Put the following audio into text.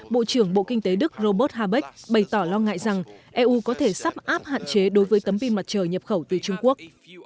bộ trưởng bộ kinh tế đức robert habek bày tỏ lo ngại rằng eu có thể sắp áp hạn chế đối với tấm pin mặt trời nhập khẩu từ trung quốc